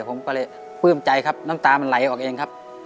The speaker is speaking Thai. ผมก็เลยปลื้มใจครับน้ำตามันไหลออกเองครับ